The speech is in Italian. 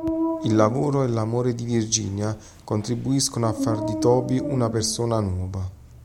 Il lavoro e l'amore di Virginia contribuiscono a fare di Toby una persona nuova.